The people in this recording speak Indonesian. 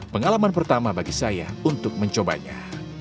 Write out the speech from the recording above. pengalaman pertama bagi saya untuk mencobanya